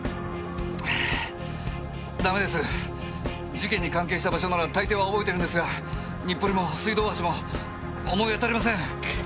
事件に関係した場所なら大抵は覚えてるんですが日暮里も水道大橋も思い当たりません！